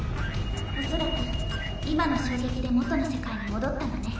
おそらく今の衝撃で元の世界に戻ったのね。